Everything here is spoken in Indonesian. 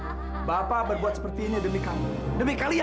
asal kamu tahu bapak berbuat seperti ini demi kamu demi kalian